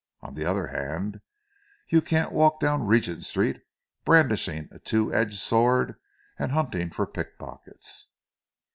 On the other hand, you can't walk down Regent Street, brandishing a two edged sword and hunting for pickpockets."